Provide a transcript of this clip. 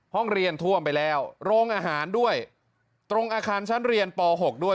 ห้องเรียนท่วมไปแล้วโรงอาหารด้วยตรงอาคารชั้นเรียนป๖ด้วย